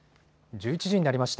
１１時になりました。